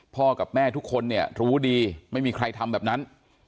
กับแม่ทุกคนเนี่ยรู้ดีไม่มีใครทำแบบนั้น